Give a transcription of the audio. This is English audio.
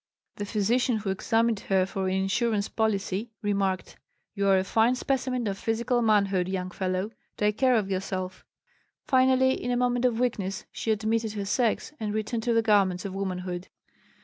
The physician who examined her for an insurance policy remarked: "You are a fine specimen of physical manhood, young fellow. Take good care of yourself." Finally, in a moment of weakness, she admitted her sex and returned to the garments of womanhood.